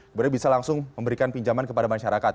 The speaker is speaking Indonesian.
kemudian bisa langsung memberikan pinjaman kepada masyarakat